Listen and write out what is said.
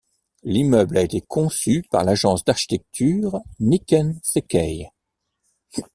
L'immeuble a été conçu par l'agence d'architecture Nikken Sekkei.